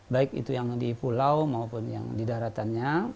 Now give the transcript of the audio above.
baik itu yang di pulau maupun yang di daratannya